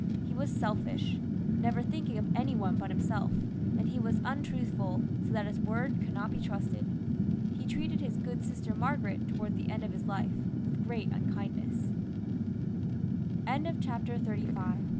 He was selfish, never thinking of any one but him self, and he was untruthful, so that his word could not be trusted. He treated his good sister Margaret, towards the end of his life, with great unkindness.